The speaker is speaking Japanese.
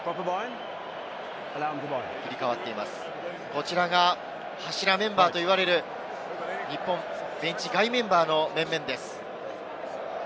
こちらが柱メンバーといわれる日本、ベンチ外メンバーの面々です。